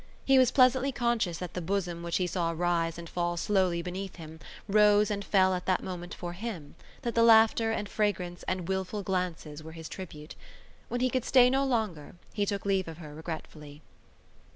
He was pleasantly conscious that the bosom which he saw rise and fall slowly beneath him rose and fell at that moment for him, that the laughter and fragrance and wilful glances were his tribute. When he could stay no longer he took leave of her regretfully.